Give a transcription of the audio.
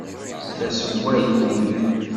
La sswayen tibḥirt.